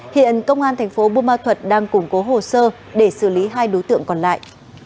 hiện công an thành phố bù ma thuật đang củng cố hồ sơ để xử lý hai đối tượng còn lại